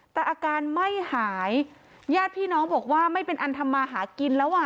แต่อาการไม่หายญาติพี่น้องบอกว่าไม่เป็นอันทำมาหากินแล้วอ่ะ